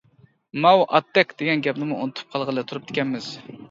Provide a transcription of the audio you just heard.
ماۋۇ ئاتتەك دېگەن گەپنىمۇ ئۇنتۇپ قالغىلى تۇرۇپتىكەنمىز.